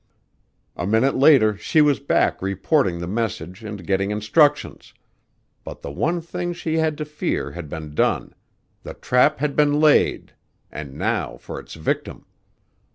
A minute later she was back reporting the message and getting instructions, but the one thing she had to fear had been done; the trap had been laid, and now for its victim!